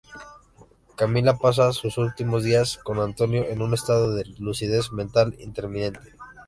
Camila pasa sus últimos días con Antonio en un estado de lucidez mental intermitente.